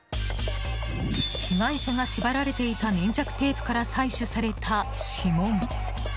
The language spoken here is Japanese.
被害者が縛られていた粘着テープから採取された指紋。